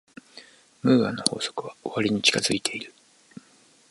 ムーアの法則は終わりに近づいている。